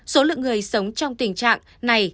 số lượng người sống trong tình trạng này